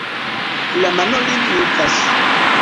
La mano lin jukas.